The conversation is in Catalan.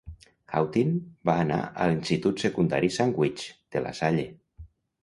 Hawtin va anar a l'institut secundari Sandwich, de LaSalle.